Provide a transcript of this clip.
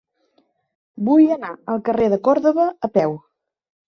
Vull anar al carrer de Còrdova a peu.